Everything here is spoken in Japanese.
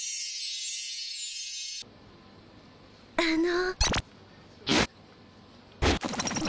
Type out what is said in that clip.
あの。